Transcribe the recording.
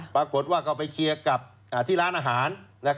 ปรากฏว่าก็ไปเคลียร์กับที่ร้านอาหาร